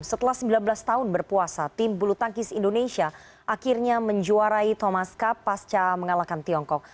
setelah sembilan belas tahun berpuasa tim bulu tangkis indonesia akhirnya menjuarai thomas cup pasca mengalahkan tiongkok